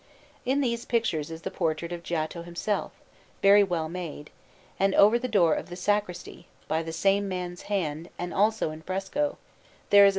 In these pictures is the portrait of Giotto himself, very well made, and over the door of the sacristy, by the same man's hand and also in fresco, there is a S.